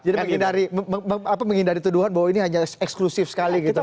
jadi menghindari tuduhan bahwa ini hanya eksklusif sekali gitu